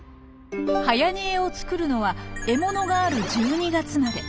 はやにえを作るのは獲物がある１２月まで。